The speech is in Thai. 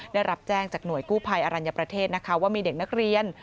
ได้รับแจ้งจากหน่วยกู้ภัยอรัญญประเทศนะคะว่ามีเด็กนักเรียน